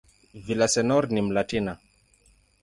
Villaseñor ni "Mlatina".